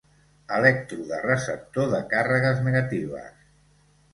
Elèctrode receptor de càrregues negatives.